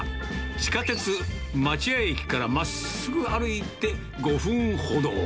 地下鉄町屋駅からまっすぐ歩いて５分ほど。